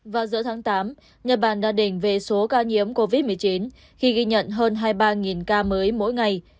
vào giữa tháng tám nhật bản đã đỉnh về số ca nhiễm covid một mươi chín khi ghi nhận hơn hai mươi ba ca mới mỗi ngày